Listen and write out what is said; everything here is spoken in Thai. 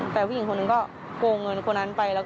กลัวไหมครับตอนนี้ชายชีวิตอยู่อย่างไรบ้าง